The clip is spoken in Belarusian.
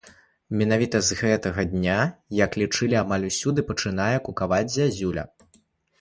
Менавіта з гэтага дня, як лічылі амаль усюды, пачынае кукаваць зязюля.